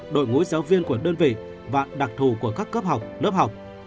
đội ngũ giáo viên của đơn vị và đặc thù của các cấp học lớp học